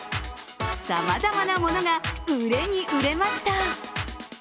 さまざまなものが売れに売れました。